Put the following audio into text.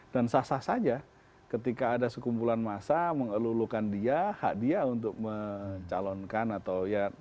dan sah sah saja ketika ada sekumpulan masa mengelulukan dia hak dia untuk mencalonkan atau ya